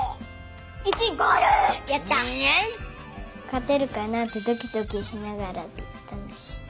かてるかなってドキドキしながらでたのしい。